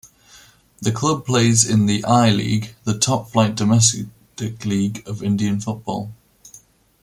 The club plays in the I-League, the top-flight domestic league of Indian football.